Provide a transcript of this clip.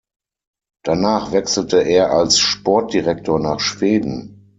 Danach wechselte er als Sportdirektor nach Schweden.